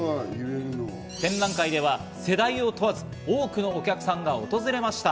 展覧会では世代を問わず多くのお客さんが訪れました。